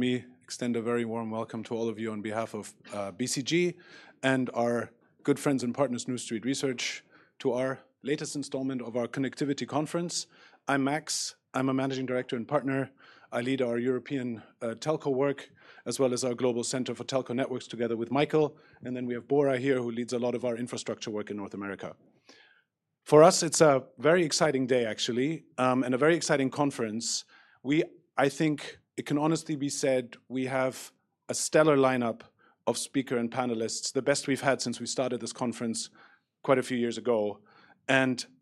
Me extend a very warm welcome to all of you on behalf of BCG and our good friends and partners, New Street Research, to our latest installment of our Connectivity Conference. I'm Max, I'm a Managing Director and Partner. I lead our European telco work as well as our global center for Telco Networks together with Michael. We have Bora here who leads a lot of our infrastructure work in North America for us. It's a very exciting day, actually, and a very exciting conference. I think it can honestly be said we have a stellar lineup of speaker and panelists, the best we've had since we started this conference quite a few years ago.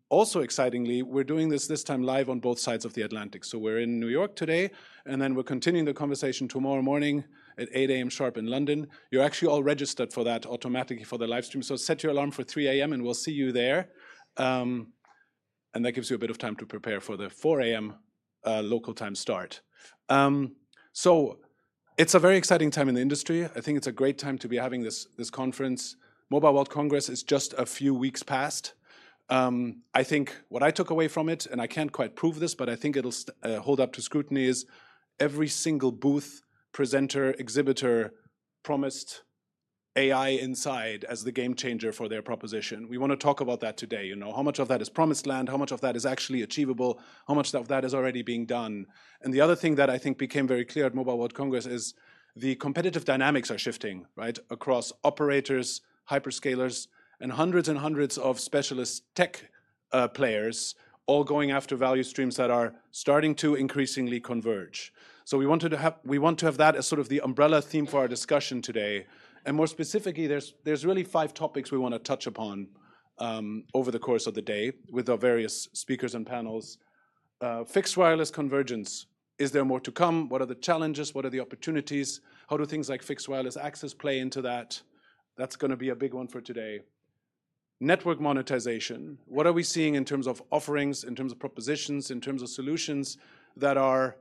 Also excitingly, we're doing this this time live on both sides of the Atlantic. We're in New York today and then we're continuing the conversation tomorrow morning at 8:00 A.M. sharp in London. You're actually all registered for that automatically for the livestream, so set your alarm for 3:00 A.M. and we'll see you there. That gives you a bit of time to prepare for the 4:00 A.M. local time start. It's a very exciting time in the industry. I think it's a great time to be having this conference. Mobile World Congress is just a few weeks past, I think what I took away from it, and I can't quite prove this, but I think it'll hold up to scrutiny, is every single booth, presenter, exhibitor, promised AI inside as the game changer for their proposition. We want to talk about that today. How much of that is promised land? How much of that is actually achievable? How much of that is already being done? The other thing that I think became very clear at Mobile World Congress is the competitive dynamics are shifting across operators, hyperscalers and hundreds and hundreds of specialist tech players all going after value streams that are starting to increasingly converge. We want to have that as sort of the umbrella theme for our discussion today. More specifically, there are really five topics we want to touch upon over the course of the day with our various speakers and panels. Fixed Wireless Convergence—is there more to come? What are the challenges? What are the opportunities? How do things like Fixed Wireless Access play into that? That is going to be a big one for today. Network monetization. What are we seeing in terms of offerings, in terms of propositions, in terms of solutions that are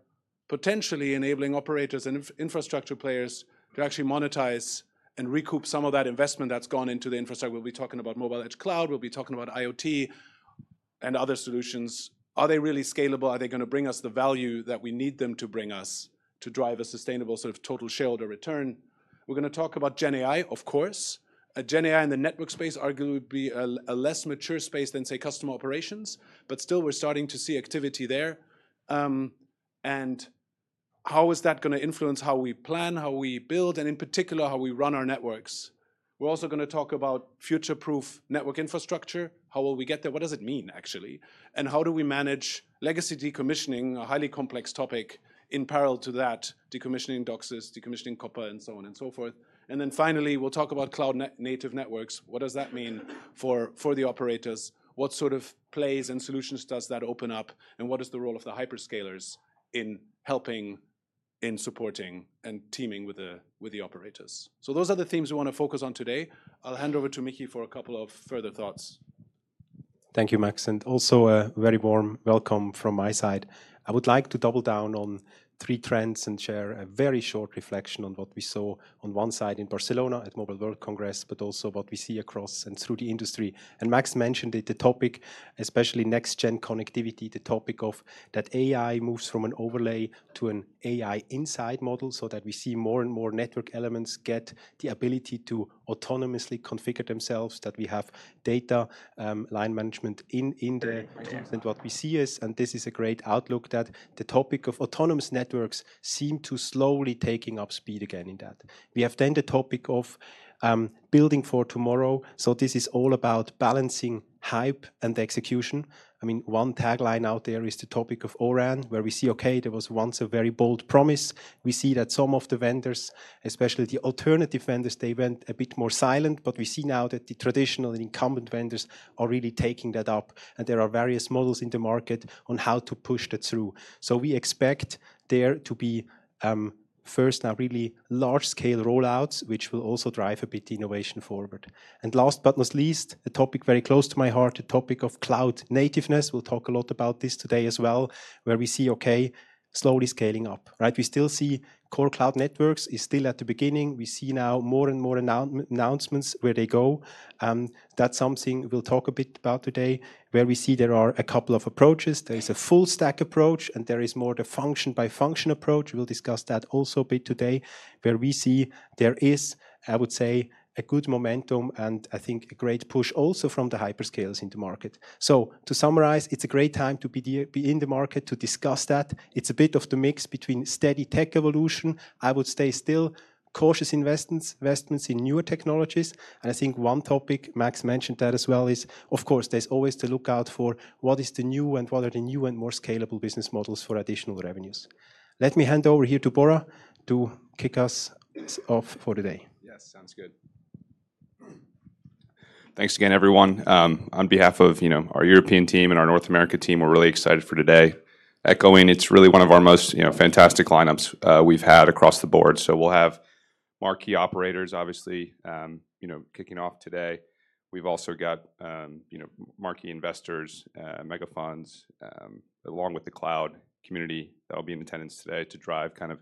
potentially enabling operators and infrastructure players to actually monetize and recoup some of that investment that's gone into the infrastructure? We'll be talking about mobile edge cloud. We'll be talking about IoT and other solutions. Are they really scalable? Are they going to bring us the value that we need them to bring us to drive a sustainable sort of total shareholder return? We're going to talk about GenAI. Of course GenAI in the network space arguably would be a less mature space than say customer operations, but still we're starting to see activity there and how is that going to influence how we plan, how we build and in particular how we run our networks. We're also going to talk about future proof network infrastructure. How will we get there? What does it mean actually? And how do we manage legacy decommissioning, a highly complex topic in parallel to that decommissioning DOCSIS, decommissioning copper and so on and so forth. Finally, we will talk about cloud native networks. What does that mean for the operators? What sort of plays and solutions does that open up? What is the role of the hyperscalers in helping, in supporting, and teaming with the operators? Those are the themes we want to focus on today. I'll hand over to Mickey for a couple of further thoughts. Thank you Max and also a very warm welcome from my side. I would like to double down on three trends and share a very short reflection on what we saw on one side in Barcelona at Mobile World Congress, but also what we see across and through the industry. Max mentioned that the topic, especially next gen connectivity topic of that AI moves from an overlay to an AI inside model so that we see more and more network elements get the ability to autonomously configure themselves, that we have Data Line Management in the what we see is, and this is a great outlook that the topic of autonomous networks seem to slowly taking up speed again in that we have then the topic of building for tomorrow. This is all about balancing hype and execution. I mean one tagline out there is the topic of O-RAN where we see, okay, there was once a very bold promise. We see that some of the vendors, especially the alternative vendors, they went a bit more silent. We see now that the traditional and incumbent vendors are really taking that up and there are various models in the market on how to push that through. We expect there to be first now really large scale rollouts which will also drive a bit innovation forward. Last but not least, a topic very close to my heart, the topic of cloud nativeness. We'll talk a lot about this today as well where we see, okay, slowly scaling up, right? We still see core cloud networks is still at the beginning. We see now more and more announcements where they go. That's something we'll talk a bit about today. Where we see there are a couple of approaches. There is a full stack approach and there is more the function by function approach. We'll discuss that also a bit today. Where we see there is, I would say a good momentum and I think a great push also from the hyperscalers in the market. To summarize, it's a great time to be in the market to discuss that. It's a bit of the mix between steady tech evolution. I would stay still cautious investments in newer technologies. I think one topic Max mentioned that as well is of course there's always the lookout for what is the new and what are the new and more scalable business models for additional revenues. Let me hand over here to Bora to kick us off for the day. Yes, sounds good. Thanks again everyone. On behalf of our European team and our North America team, we're really excited for today. Echoing, it's really one of our most fantastic lineups we've had across the board. We will have marquee operators obviously kicking off today. We've also got marquee investors, megafunds, along with the cloud community that will be in attendance today to drive kind of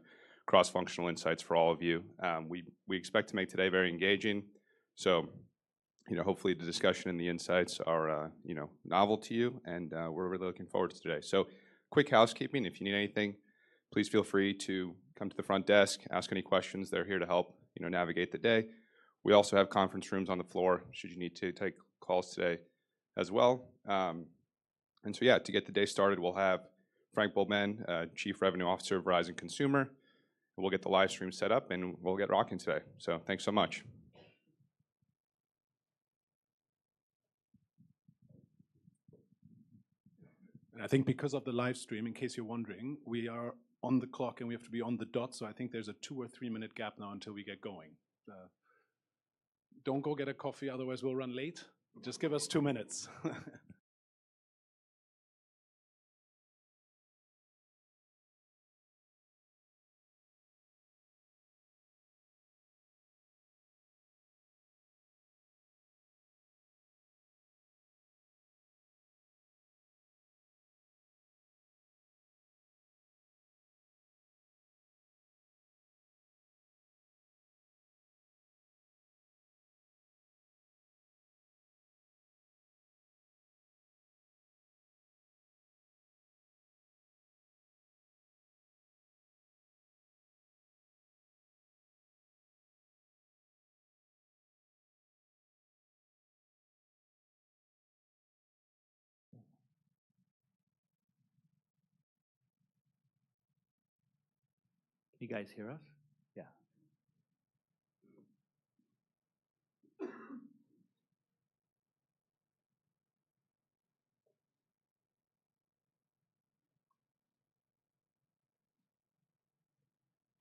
cross functional insights for all of you. We expect to make today very engaging. Hopefully the discussion and the insights are novel to you and we're really looking forward to today. Quick housekeeping, if you need anything, please feel free to come to the front desk. Ask any questions. They're here to help navigate the day. We also have conference rooms on the floor should you need to take calls today as well. Yeah, to get the day started we'll have Frank Boulben, Chief Revenue Officer of Verizon Consumer, and we'll get the live stream set up and we'll get rocking today. Thanks so much. I think because of the live stream, in case you're wondering, we are on the clock and we have to be on the dot. I think there's a two or three minute gap now until we get going. Don't go get a coffee, otherwise we'll run late. Just give us two minutes. Can you guys hear us? Yeah.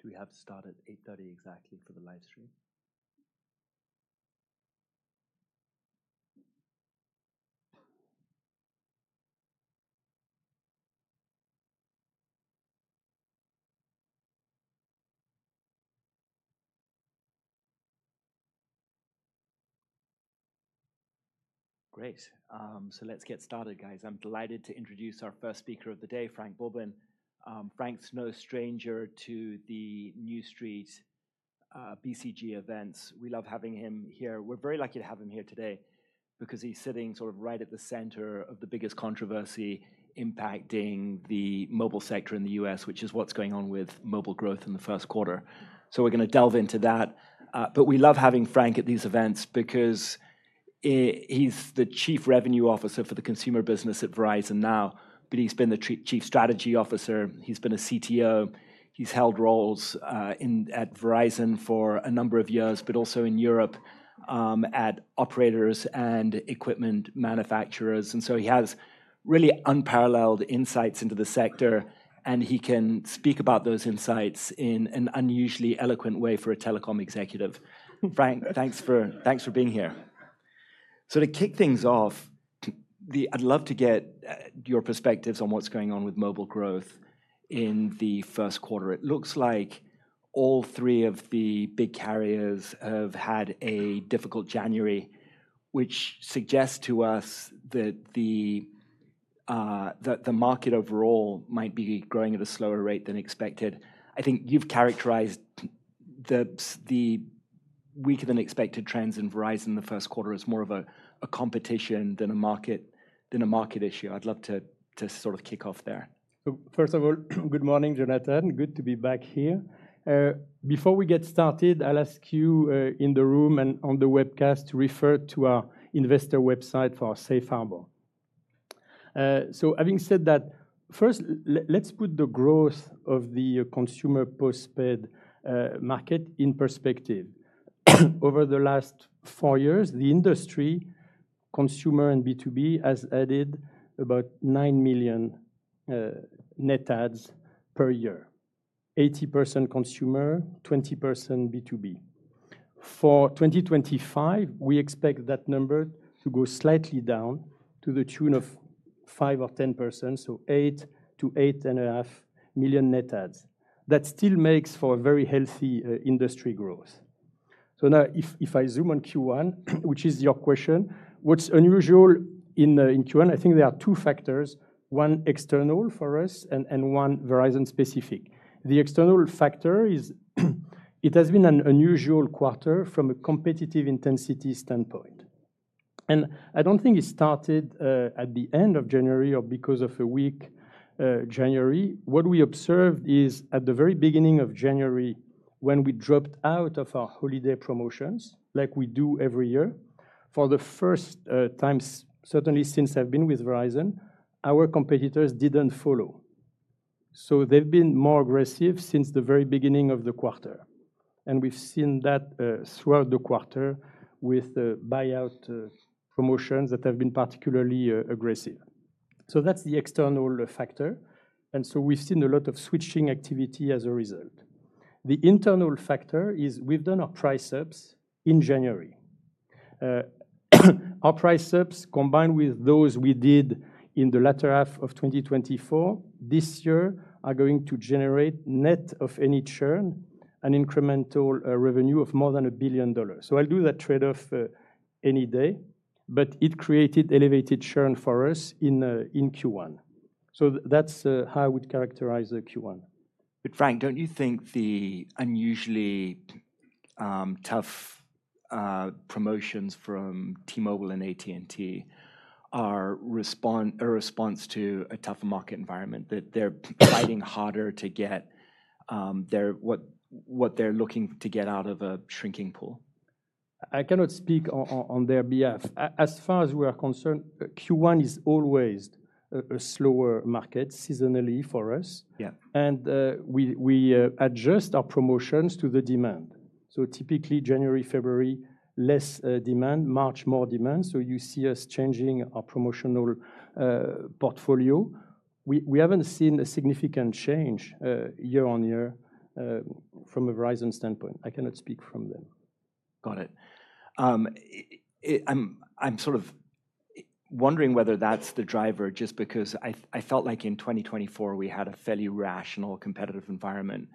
Do we have to start at 8:30 exactly for the live stream? Great. Let's get started guys. I'm delighted to introduce our first speaker of the day, Frank Boulben. Frank's no stranger to the New Street-BCG events. We love having him here. We're very lucky to have him here today because he's sitting sort of right at the center of the biggest controversy impacting the mobile sector in the U.S., which is what's going on with mobile growth in the first quarter. We're going to delve into that. We love having Frank at these events because he's the Chief Revenue Officer for the Consumer business at Verizon now, but he's been the Chief Strategy Officer, he's been a CTO, he's held roles at Verizon for a number of years, but also in Europe at operators and equipment manufacturers. He has really unparalleled insights into the sector, and he can speak about those insights in an unusually eloquent way for a telecom executive. Frank, thanks for being here. To kick things off, I'd love to get your perspectives on what's going on with mobile growth in the first quarter. It looks like all three of the big carriers have had a difficult January, which suggests to us that the market overall might be growing at a slower rate than expected. I think you've characterized the weaker than expected trends in Verizon the first quarter as more of a competition than a market issue. I'd love to kick off there. First of all, good morning, Jonathan. Good to be back here. Before we get started, I'll ask you in the room and on the webcast to refer to our investor website for our safe harbor. Having said that, first, let's put the growth of the Consumer postpaid market in perspective. Over the last four years, the industry Consumer and B2B has added about 9 million net adds per year, 80% Consumer, 20% B2B. For 2025, we expect that number to go slightly down to the tune of 5% or 10%. So 8 million-8.5 million net adds, that still makes for very healthy industry growth. Now, if I zoom on Q1, which is your question, what's unusual in Q1? I think there are two factors, one external for us and one Verizon-specific. The external factor is it has been an unusual quarter from a competitive intensity standpoint. I don't think it started at the end of January or because of a weak January. What we observed is at the very beginning of January when we dropped out of our holiday promotions like we do every year for the first time. Certainly since I've been with Verizon, our competitors didn't follow. They've been more aggressive since the very beginning of the quarter. We've seen that throughout the quarter with buyout promotions that have been particularly aggressive. That's the external factor. We've seen a lot of switching activity as a result. The internal factor is we've done our price ups in January. Our price ups combined with those we did in the latter half of 2024 this year are going to generate, net of any churn, an incremental revenue of more than $1 billion. I'll do that trade-off any day. It created elevated churn for us in Q1. That's how I would characterize Q1. Frank, don't you think the unusually tough promotions from T-Mobile and AT&T are a response to a tough market environment, that they're fighting harder to at what they're looking to get out of a shrinking pool? I cannot speak on their behalf. As far as we are concerned, Q1 is always a slower market seasonally for us and we adjust our promotions to the demand. Typically January, February, less demand, March, more demand. You see us changing our promotional portfolio. We haven't seen a significant change year-on-year. From a Verizon standpoint, I cannot speak for them. Got it. I'm sort of wondering whether that's the driver. Just because I felt like in 2024 we had a fairly rational competitive environment.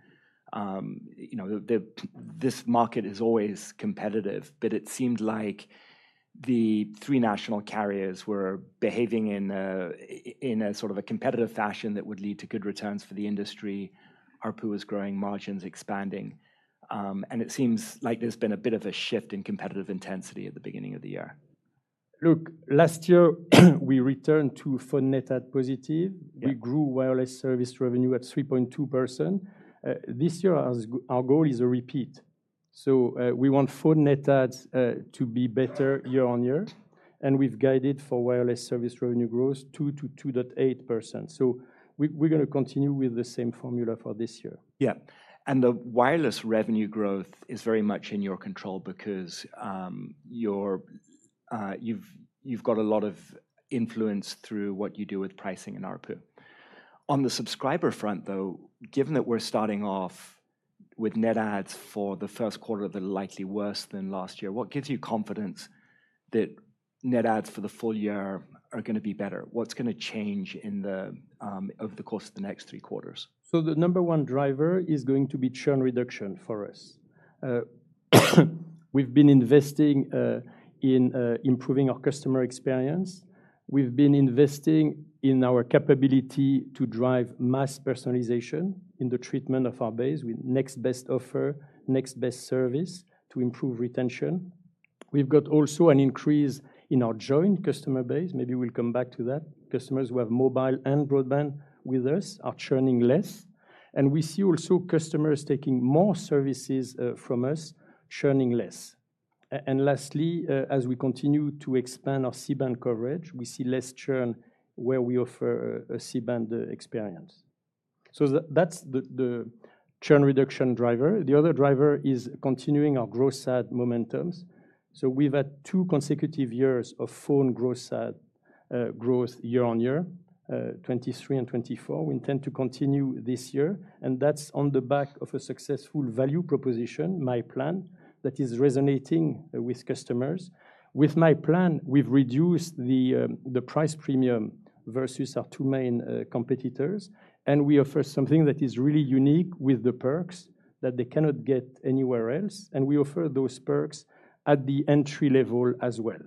This market is always competitive. It seemed like the three national carriers were behaving in a sort of a competitive fashion that would lead to good returns for the industry. ARPU is growing, margins expanding, and it seems like there's been a bit of a shift in competitive intensity at the beginning of the year. Look, last year we returned to Phone net add positive. We grew Wireless Service revenue at 3.2%. This year our goal is a repeat. We want Phone net adds to be better year-on-year. We've guided for wireless service revenue growth 2%-2.8%. We are going to continue with the same formula for this year. Yeah. The Wireless revenue growth is very much in your control because you've got a lot of influence through what you do with pricing in ARPU. On the subscriber front, though, given that we're starting off with net adds for the first quarter that are likely worse than last year, what gives you confidence that net adds for the full year are going to be better? What's going to change over the course of the next three quarters? The number one driver is going to be churn reduction for us. We've been investing in improving our customer experience. We've been investing in our capability to drive mass personalization in the treatment of our base with next best offer, next best service to improve retention. We've got also an increase in our joint customer base. Maybe we'll come back to that. Customers who have mobile and broadband with us are churning less. We see also customers taking more services from us churning less. Lastly, as we continue to expand our C-Band coverage, we see less churn where we offer a C-Band experience. That's the churn reduction driver. The other driver is continuing our gross add momentums. We've had two consecutive years of phone growth year-on-year, 2023 and 2024. We intend to continue this year. That is on the back of a successful value proposition. myPlan that is resonating with customers. With myPlan, we've reduced the price premium versus our two main competitors. We offer something that is really unique with the perks that they cannot get anywhere else. We offer those perks at the entry level as well.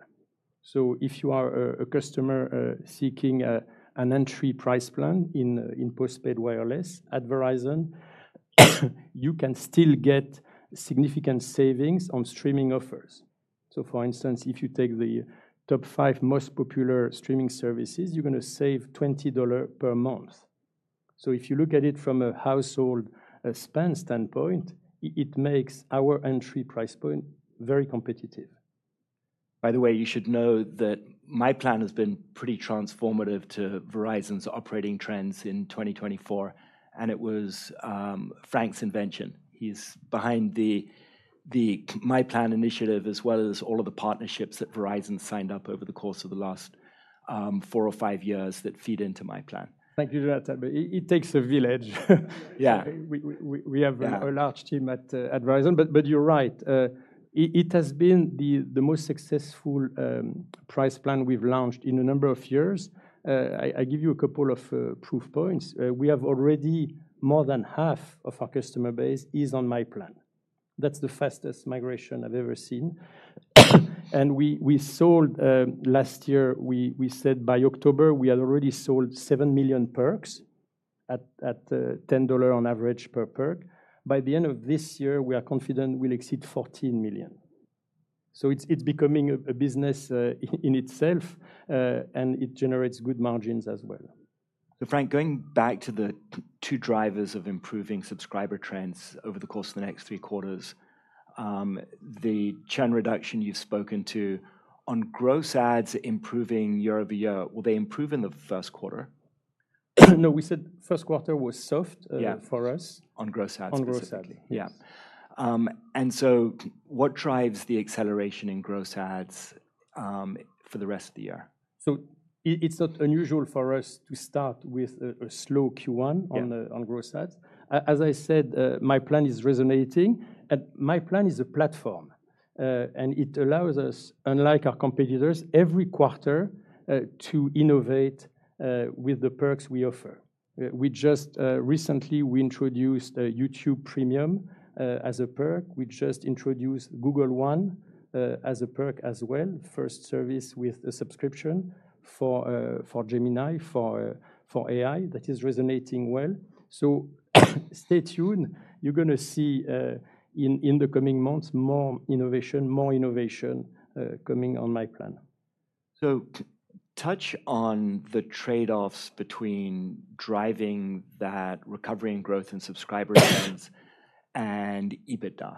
If you are a customer seeking an entry price plan in postpaid wireless at Verizon, you can still get significant savings on streaming offers. For instance, if you take the top five most popular streaming services, you're going to save $20 per month. If you look at it from a household expense standpoint, it makes our entry price point very competitive. By the way, you should know that myPlan has been pretty transformative to Verizon's operating trends in 2024. It was Frank's invention. He's behind the myPlan initiative as well as all of the partnerships that Verizon signed up over the course of the last four or five years that feed into myPlan. Thank you. It takes a village. We have a large team at Verizon, but you're right, it has been the most successful price plan we've launched in a number of years. I give you a couple of proof points. We have already more than half of our customer base is on myPlan. That's the fastest migration I've ever seen. We sold last year, we said by October we had already sold 7 million perks at $10 on average per perk, by the end of this year, we are confident we'll exceed 14 million. It is becoming a business in itself and it generates good margins as well. Frank, going back to the two drivers of improving subscriber trends over the course of the next three quarters, the churn reduction you've spoken to on gross adds improving year-over-year, will they improve in the first quarter? No. We said first quarter was soft for us. On gross adds specifically. On gross ad, yeah. What drives the acceleration in gross adds for the rest of the year? It's not unusual for us to start with a slow Q1 on gross adds. As I said, myPlan is resonating. myPlan is a platform and it allows us, unlike our competitors, every quarter to innovate with the perks we offer. We just recently introduced YouTube Premium as a perk. We just introduced Google One as a perk as well. First service with a subscription for Gemini for AI that is resonating well. Stay tuned. You're going to see in the coming months more innovation, more innovation coming on myPlan. Touch on the trade offs between driving that recovery in growth and subscriber trends. And EBITDA,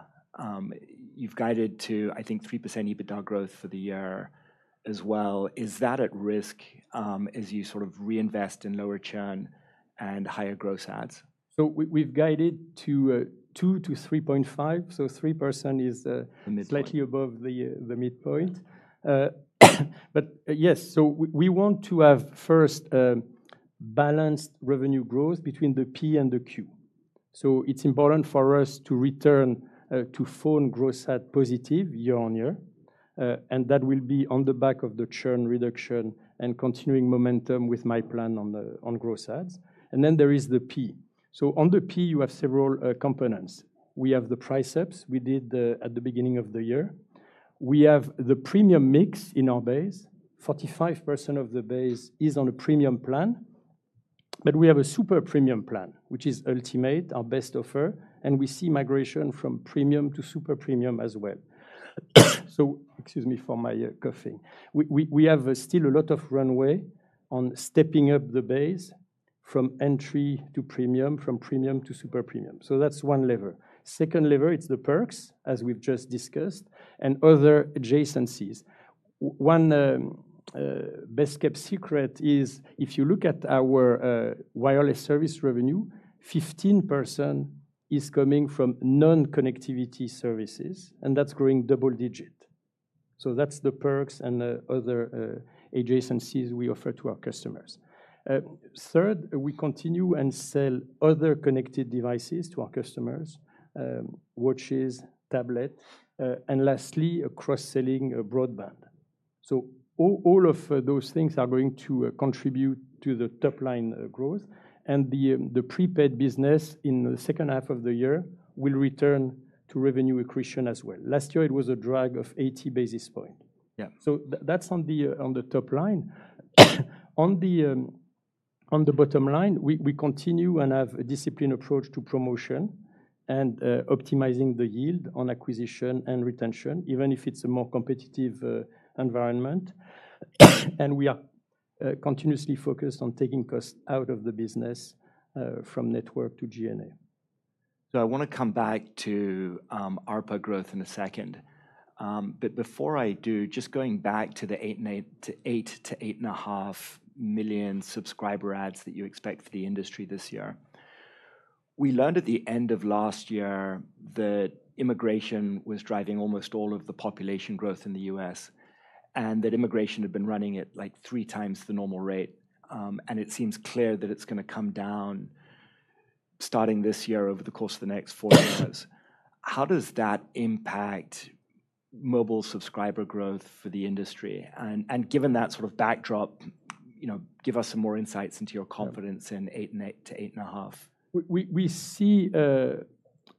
you've guided to, I think, 3% EBITDA growth for the year as well. Is that at risk as you sort of reinvest in lower churn and higher gross adds? We've guided to 2-3.5%. 3% is slightly above the midpoint, but yes. We want to have first balanced revenue growth between the P and the Q. It's important for us to return to phone gross add positive year-on-year, and that will be on the back of the churn reduction and continuing momentum with myPlan on the on gross adds. Then there is the P. On the P, you have several components. We have the price ups we did at the beginning of the year. We have the premium mix in our base, 45% of the base is on a premium plan. We have a super premium plan, which is Ultimate, our best offer, and we see migration from premium to super premium as well. Excuse me for my coughing. We have still a lot of runway on stepping up the base from entry to premium, from premium to super premium. That is one lever. The second lever is the perks as we've just discussed and other adjacencies. One best kept secret is if you look at our Wireless Service revenue, 15% is coming from non-connectivity services and that's growing double digit. That is the perks and other adjacencies we offer to our customers. Third, we continue and sell other connected devices to our customers, watches, tablets, and lastly cross selling broadband. All of those things are going to contribute to the top line growth. The Prepaid business in the second half of the year will return to revenue accretion as well. Last year it was a drag of 80 basis points so that is on the top line. On the bottom line, we continue and have a disciplined approach to promotion and optimizing the yield on acquisition and retention, even if it's a more competitive environment. We are continuously focused on taking costs out of the business from network to G&A. I want to come back to ARPA growth in a second, but before I do, just going back to the 8 million-8.5 million subscriber adds that you expect for the industry this year. We learned at the end of last year that immigration was driving almost all of the population growth in the U.S. and that immigration had been running at three times the normal rate. It seems clear that it's going to come down starting this year over the course of the next four years. How does that impact mobile subscriber growth for the industry? Given that sort of backdrop, give us some more insights into your confidence in 8 million-8.5 million. We see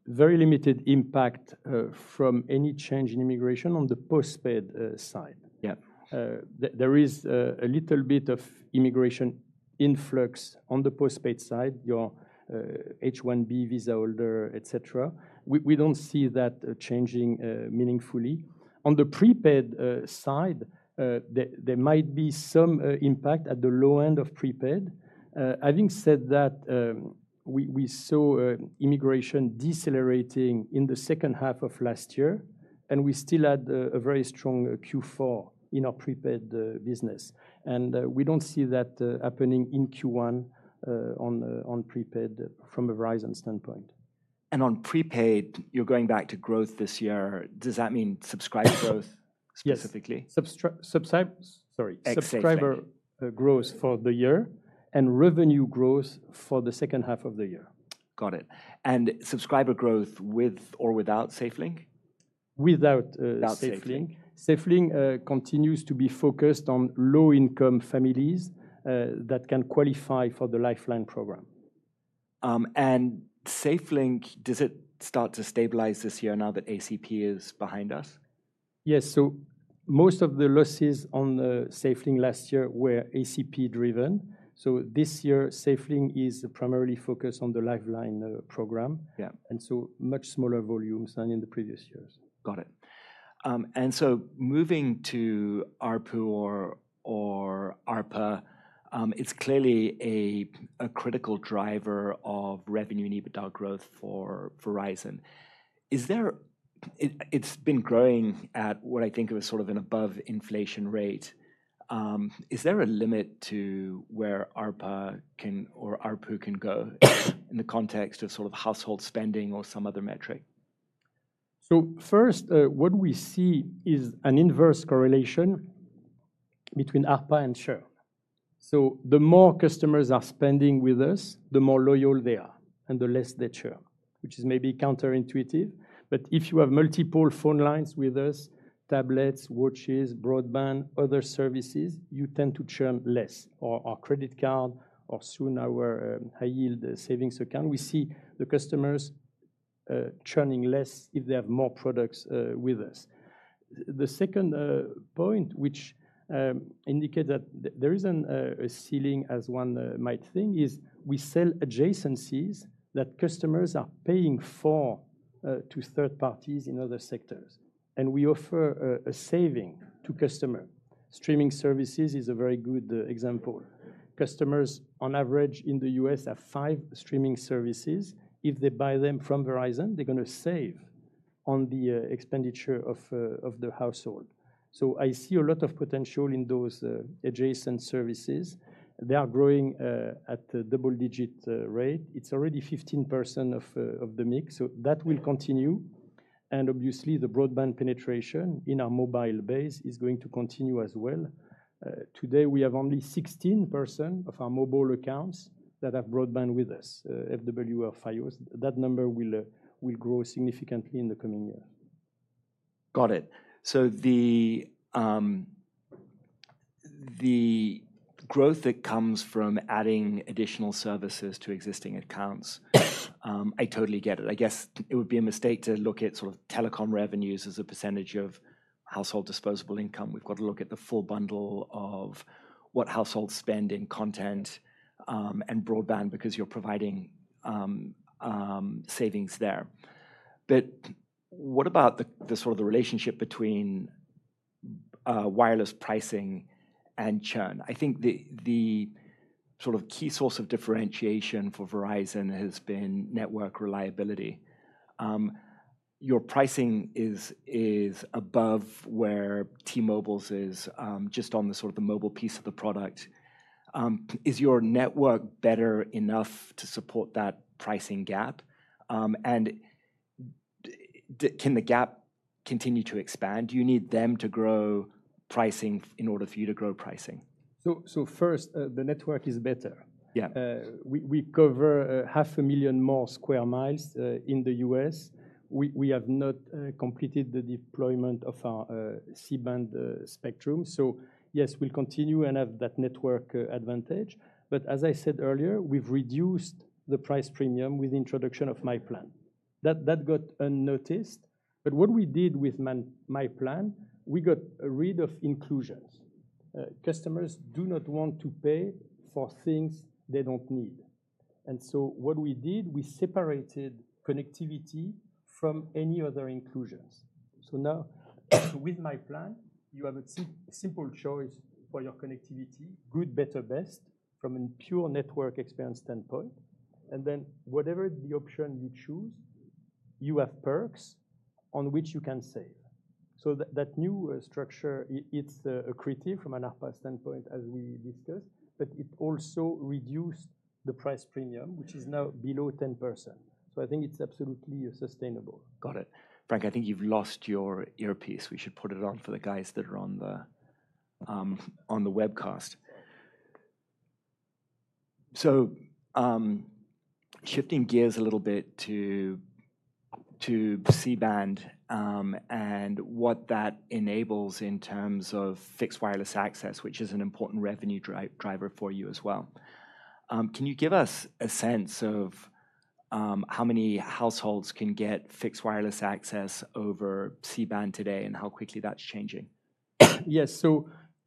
very limited impact from any change in immigration on the postpaid side. Yeah, there is a little bit of immigration influx on the postpaid side, your H-1B visa holder, et cetera. We do not see that changing meaningfully. On the prepaid side, there might be some impact at the low end of prepaid. Having said that, we saw immigration decelerating in the second half of last year and we still had a very strong Q4 in our Prepaid business. We do not see that happening in Q1 on prepaid from a Verizon standpoint. On prepaid, you're going back to growth this year. Does that mean subscriber growth specifically? Subscriber growth for the year and revenue growth for the second half of the year. Got it. Subscriber growth with or without SafeLink? Without SafeLink, SafeLink continues to be focused on low income families that can qualify for the Lifeline program. SafeLink, does it start to stabilize this year now that ACP is behind us? Yes. Most of the losses on SafeLink last year were ACP-driven. This year SafeLink is primarily focused on the Lifeline program and so much smaller volumes than in the previous years. Got it. Moving to ARPU or ARPA, it's clearly a critical driver of revenue and EBITDA growth. For Verizon, it's been growing at what I think of as sort of an above inflation rate. Is there a limit to where ARPA or ARPU can go in the context of sort of household spending or some other metric? First, what we see is an inverse correlation between ARPA and churn. The more customers are spending with us, the more loyal they are and the less they churn, which is maybe counterintuitive, but if you have multiple phone lines with us, tablets, watches, broadband, other services, you tend to churn less. On our credit card, or soon our high yield savings account, we see the customers churning less if they have more products with us. The second point, which indicates that there is not a ceiling as one might think, is we sell adjacencies that customers are paying for to third parties in other sectors and we offer a saving to customer. Streaming services is a very good example. Customers on average in the U.S. have five streaming services. If they buy them from Verizon, they are going to save on the expenditure of the household. I see a lot of potential in those adjacent services. They are growing at double-digit rate. It's already 15% of the mix, so that will continue. Obviously the broadband penetration in our mobile base is going to continue as well. Today we have only 16% of our mobile accounts that have broadband with us, FWA or Fios. That number will grow significantly in the coming years. Got it. The growth that comes from adding additional services to existing accounts, I totally get it. I guess it would be a mistake to look at sort of telecom revenues as a percentage of household disposable income. We've got to look at the full bundle of what households spend in content and broadband because you're providing savings there. What about the sort of the relationship between wireless pricing and churn? I think the key source of differentiation for Verizon has been network reliability. Your pricing is above where T-Mobile's is just on the mobile piece of the product. Is your network better enough to support that pricing gap? Can the gap continue to expand? Do you need them to grow pricing in order for you to grow pricing? First, the network is better. We cover 500,000 more sq mi in the U.S. We have not completed the deployment of our C-Band spectrum. Yes, we'll continue and have that network advantage. As I said earlier, we've reduced the price premium with introduction of myPlan. That got unnoticed. What we did with myPlan, we got rid of inclusions. Customers do not want to pay for things they don't need. What we did, we separated connectivity from any other inclusions. Now with myPlan, you have a simple choice for your connectivity. Good, better, best from a pure network experience standpoint. Whatever the option you choose, you have perks on which you can save. That new structure is accretive from an ARPA standpoint, as we discussed, but it also reduced the price premium, which is now below 10%. I think it's absolutely sustainable. Got it. Frank, I think you've lost your earpiece. We should put it on for the guys that are on the webcast. Shifting gears a little bit to C-Band and what that enables in terms of fixed wireless access, which is an important revenue driver for you as well. Can you give us a sense of how many households can get fixed wireless access over C-Band today and how quickly that's changing? Yes.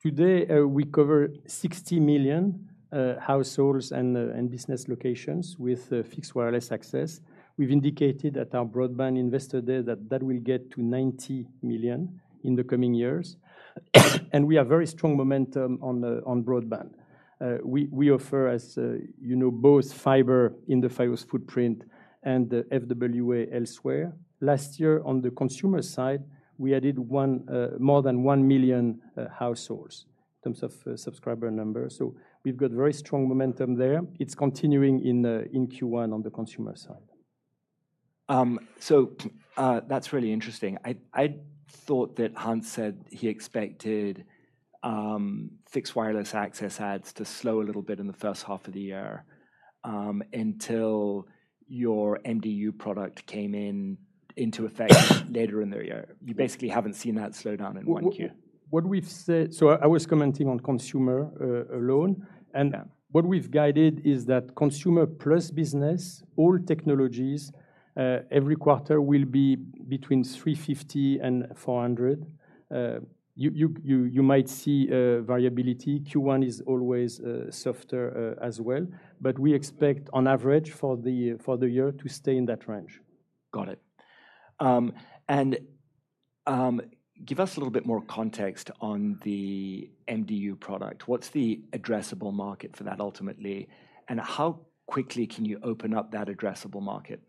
Today we cover 60 million households and business locations with fixed wireless access. We've indicated at our Broadband Investor Day that that will get to 90 million in the coming years. We have very strong momentum on broadband. We offer, as you know, both fiber in the Fios footprint and FWA elsewhere. Last year on the Consumer side, we added more than 1 million households in terms of subscriber number. We've got very strong momentum there. It's continuing in Q1 on the Consumer side. That is really interesting. I thought that Hans said he expected fixed wireless access adds to slow a little bit in the first half of the year until your MDU product came into effect later in the year. You basically have not seen that slowdown in 1Q. What we've said, I was commenting on Consumer alone and what we've guided is that Consumer plus Business, all technologies, every quarter will be between $350 million and $400 million. You might see variability. Q1 is always softer as well, but we expect on average for the year to stay in that range. Got it. Give us a little bit more context on the MDU product. What's the addressable market for that ultimately, and how quickly can you open up that addressable market?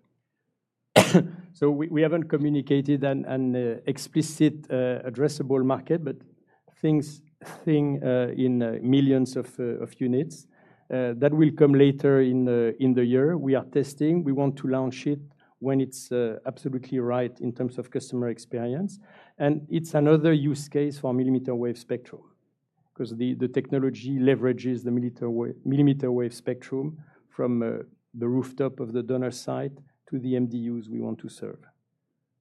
We haven't communicated an explicit addressable market, but things in millions of units that will come later in the year. We are testing. We want to launch it when it's absolutely right in terms of customer experience. It's another use case for millimeter wave spectrum because the technology leverages the millimeter wave spectrum from the rooftop of the donor site to the MDUs we want to serve.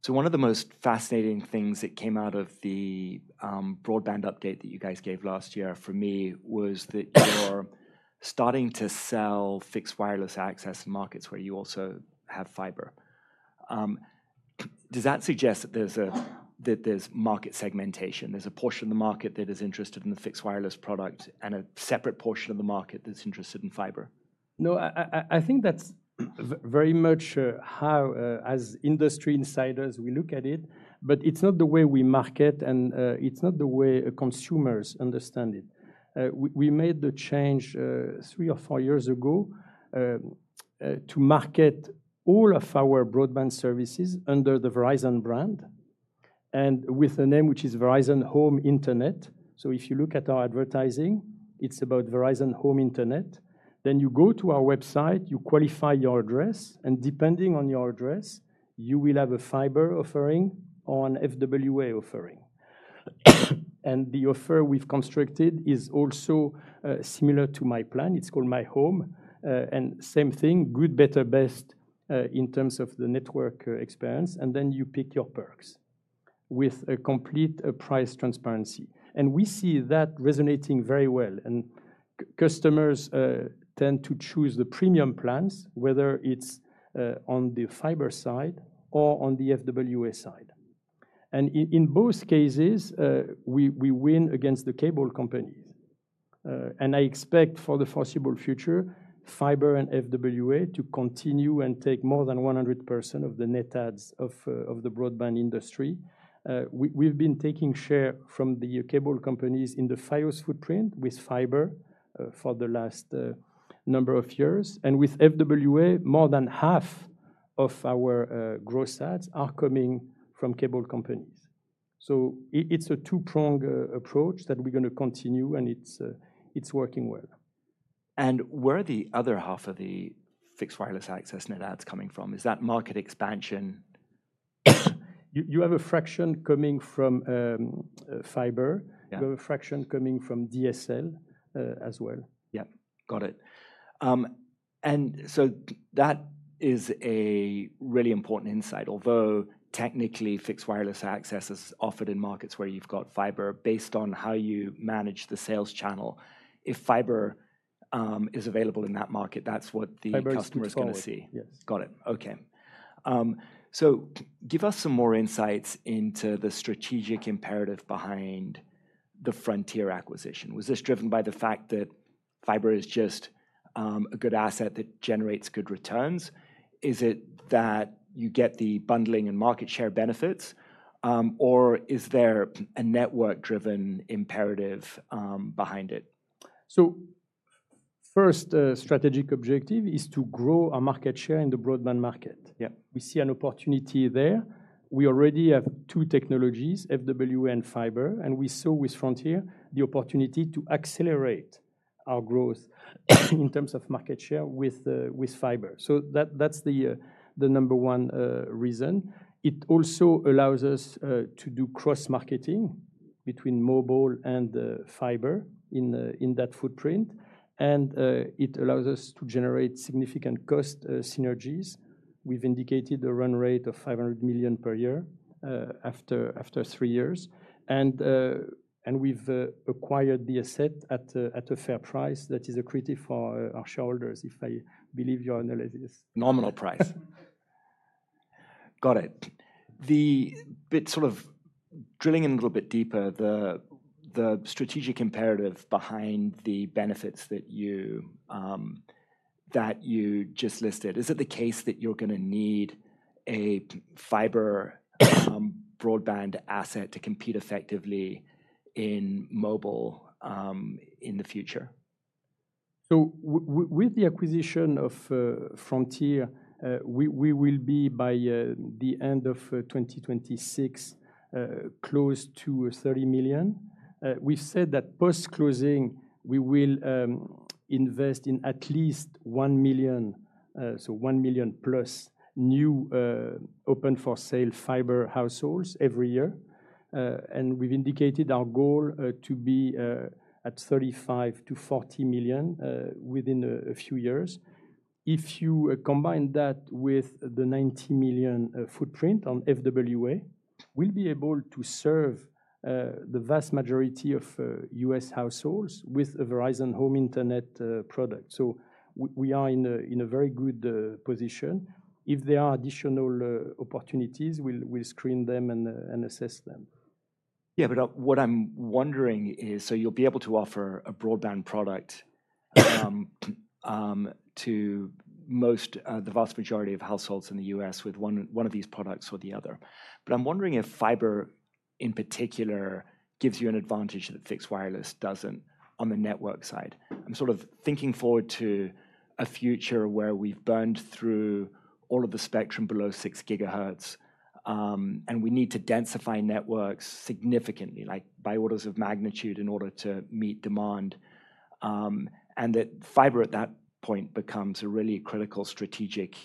One of the most fascinating things that came out of the broadband update that you guys gave last year for me was that you're starting to sell fixed wireless access markets where you also have fiber. Does that suggest that there's market segmentation? There's a portion of the market that is interested in the fixed wireless product and a separate portion of the market that's interested in fiber. No, I think that's very much how as industry insiders we look at it. It's not the way we market and it's not the way consumers understand it. We made the change three or four years ago to market all of our broadband services under the Verizon brand and with a name which is Verizon Home Internet. If you look at our advertising, it's about Verizon Home Internet. You go to our website, you qualify your address, and depending on your address, you will have a fiber offering or an FWA offering. The offer we've constructed is also similar to myPlan. It's called myHome and same thing. Good, better, best in terms of the network experience. You pick your perks with complete price transparency. We see that resonating very well. Customers tend to choose the premium plans whether it's on the fiber side or on the FWA side. In both cases, we win against the cable companies. I expect for the foreseeable future fiber and FWA to continue and take more than 100% of the net adds of the broadband industry. We've been taking share from the cable companies in the Fios footprint with fiber for the last number of years. With FWA, more than half of our gross adds are coming from cable companies. It's a two-pronged approach that we're going to continue and it's working well. Where are the other half of the fixed wireless access net adds coming from? Is that market expansion? You have a fraction coming from fiber. You have a fraction coming from DSL as well. Yeah, got it. That is a really important insight. Although technically fixed wireless access is offered in markets where you've got fiber based on how you manage the sales channel. If fiber is available in that market, that's what the customer is going to see. Got it. Okay, give us some more insights into the strategic imperative behind the Frontier acquisition. Was this driven by the fact that fiber is just a good asset that generates good returns? Is it that you get the bundling and market share benefits or is there a network driven imperative behind it? The first strategic objective is to grow our market share in the broadband market. We see an opportunity there. We already have two technologies, FW and fiber. We saw with Frontier the opportunity to accelerate our growth in terms of market share with fiber. That is the number one reason. It also allows us to do cross marketing between mobile and fiber in that footprint and it allows us to generate significant cost synergies. We've indicated a run rate of $500 million per year after three years and we've acquired the asset at a fair price that is accretive for our shareholders. If I believe your analysis. nominal price. Got it. The bit sort of drilling in a little bit deeper, the strategic imperative behind the benefits that you, that you just listed. Is it the case that you're going to need a fiber broadband asset to compete effectively in mobile in the future? With the acquisition of Frontier, we will be by the end of 2026, close to 30 million. We said that post closing we will invest in at least 1 million, so 1 million plus new open for sale fiber households every year and we've indicated our goal to be at 35 million-40 million within a few years. If you combine that with the 90 million footprint on FWA, we will be able to serve the vast majority of US households with a Verizon Home Internet product. We are in a very good position. If there are additional opportunities, we'll screen them and assess them. Yeah, what I'm wondering is you'll be able to offer a broadband product to most, the vast majority of households in the US with one of these products or the other. I'm wondering if fiber in particular gives you an advantage that fixed wireless doesn't. On the network side, I'm sort of thinking forward to a future where we've burned through all of the spectrum below 6 GHz and we need to densify networks significantly, like by orders of magnitude, in order to meet demand. That fiber at that point becomes a really critical strategic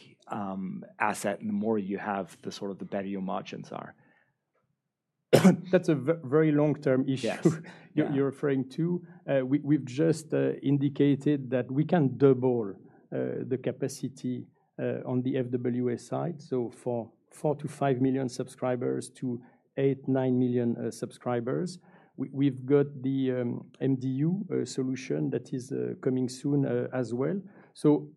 asset. The more you have, the better your margins are. That's a very long term issue you're referring to. We've just indicated that we can double the capacity on the FWA side. So for 4 to 5 million subscribers to 8, 9 million subscribers, we've got the MDU solution that is coming soon as well.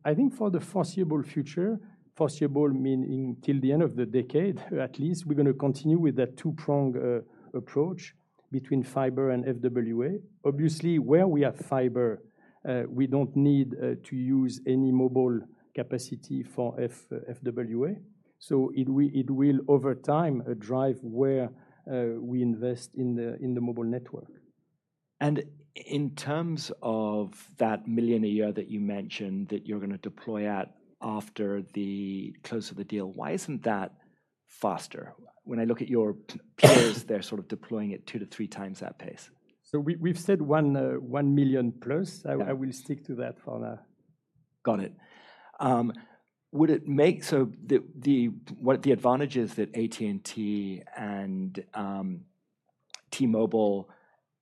I think for the foreseeable future, foreseeable meaning till the end of the decade at least, we're going to continue with that two pronged approach between fiber and FWA. Obviously where we have fiber, we don't need to use any mobile capacity for FWA. It will over time drive where we invest in the mobile network. In terms of that million a year that you mentioned that you're going to deploy at after the close of the deal, why isn't that faster? When I look at your peers they're sort of deploying at two to three times that pace. We've said one million plus. I will stick to that for now. Got it. Would it make. One of the advantages that AT&T and T-Mobile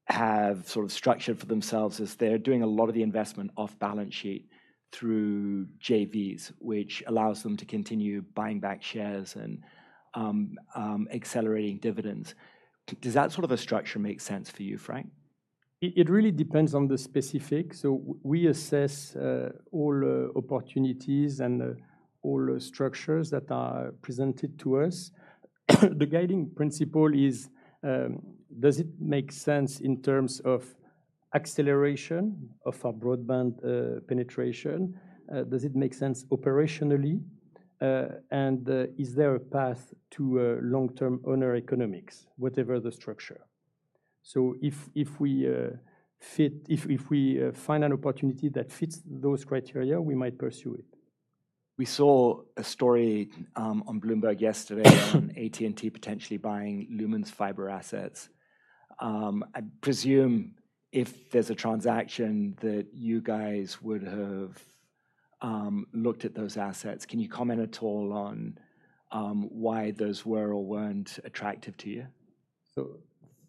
have sort of structured for themselves is they're doing a lot of the investment off balance sheet through JVs, which allows them to continue buying back shares and accelerating dividends. Does that sort of a structure make sense for you, Frank? It really depends on the specifics. We assess all opportunities and all structures that are presented to us. The guiding principle is, does it make sense in terms of acceleration of our broadband penetration? Does it make sense operationally and is there a path to long term owner economics, whatever the structure? If we find an opportunity that fits those criteria, we might pursue it. We saw a story on Bloomberg yesterday on AT&T potentially buying Lumen's fiber assets. I presume if there's a transaction that you guys would have looked at those assets, can you comment at all on why those were or weren't attractive to you?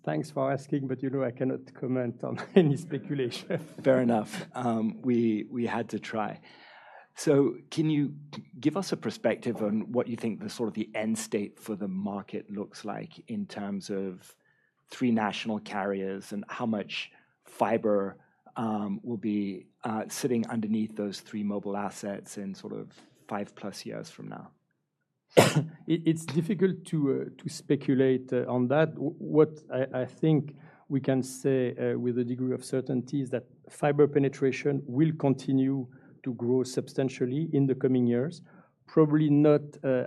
Thanks for asking, but you know, I cannot comment on any speculation. Fair enough. We had to try. Can you give us a perspective on what you think the sort of the end state for the market looks like in terms of three national carriers and how much fiber will be sitting underneath those three mobile assets in sort of five plus years from now? It's difficult to speculate on that. What I think we can say with a degree of certainty is that fiber penetration will continue to grow substantially in the coming years. Probably not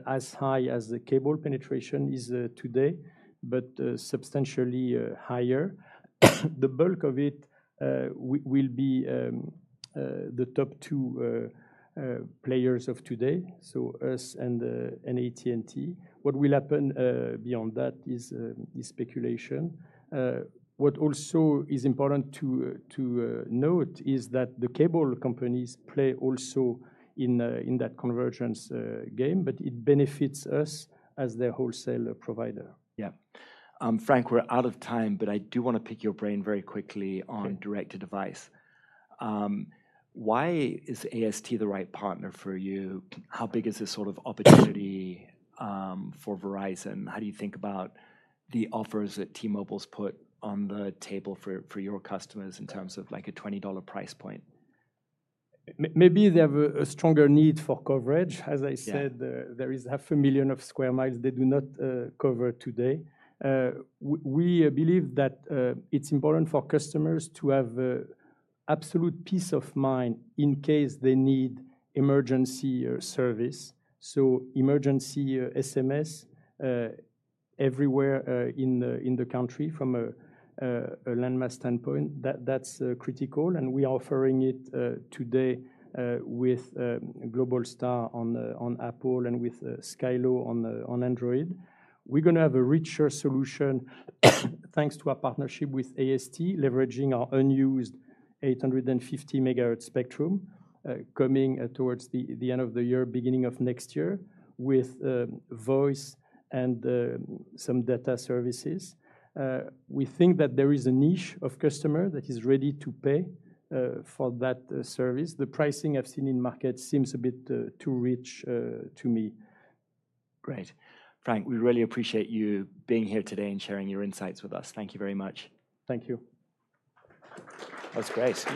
as high as the cable penetration is today, but substantially higher. The bulk of it will be the top two players of today, so us and AT&T. What will happen beyond that is speculation. What also is important to note is that the cable companies play also in that convergence game, but it benefits us as their wholesale provider. Yeah, Frank, we're out of time. I do want to pick your brain very quickly on direct to device. Why is AST the right partner for you? How big is this sort of opportunity for Verizon? How do you think about the offers that T-Mobile's put on the table for your customers in terms of like a $20 price point? Maybe they have a stronger need for coverage. As I said, there is 500,000 sq mi they do not cover. We believe that it's important for customers to have absolute peace of mind in case they need emergency service. Emergency SMS everywhere in the country, from a landmass standpoint, that's critical and we are offering it today. With Globalstar on Apple and with Skylo on Android, we're going to have a richer solution thanks to our partnership with AST, leveraging our unused 850 MHz spectrum, coming towards the end of the year, beginning of next year with voice and some data services, we think that there is a niche of customers that is ready to pay for that service. The pricing I've seen in market seems a bit too rich to me. Great. Frank, we really appreciate you being here today and sharing your insights with us. Thank you very much. Thank you. That's great.